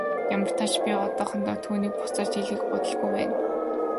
Ямартаа ч би одоохондоо түүнийг буцааж илгээх бодолгүй байна.